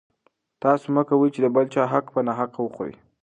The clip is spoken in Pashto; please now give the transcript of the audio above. تاسو مه کوئ چې د بل چا حق په ناحقه وخورئ.